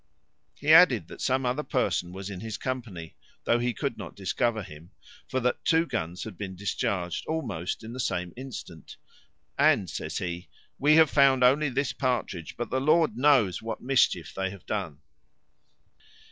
He added, that some other person was in his company, though he could not discover him; for that two guns had been discharged almost in the same instant. And, says he, "We have found only this partridge, but the Lord knows what mischief they have done."